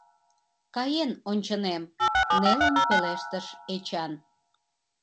— Каен ончынем, — нелын пелештыш Эчан.